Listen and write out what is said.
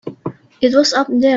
It was up there.